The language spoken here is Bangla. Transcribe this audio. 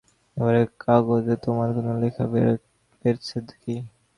এবারে কাগজে তোমার কোনো লেখা বেরচ্ছে কি।